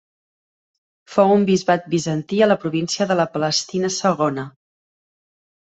Fou un bisbat bizantí a la província de la Palestina Segona.